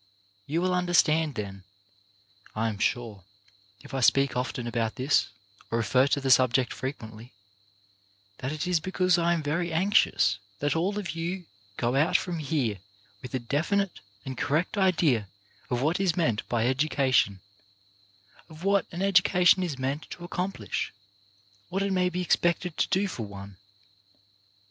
You will understand, then, I am sure, if I speak often about this, or refer to the subject frequently, that it is because I am very anxious that all of you go out from here with a definite and correct idea of what is meant by education, of what an education is meant to accomplish, what it may be expected to do for one.